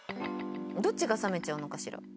どっちが冷めちゃうのかしら？